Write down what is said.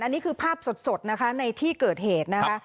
อันนี้คือภาพสดนะคะในที่เกิดเหตุนะคะ